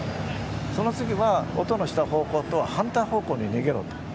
その次は音のした方向と反対方向に逃げろ。